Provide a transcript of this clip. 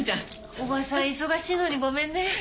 おばさん忙しいのにごめんね。